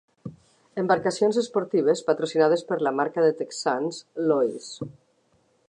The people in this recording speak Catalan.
Embarcacions esportives patrocinades per la marca de texans Lois.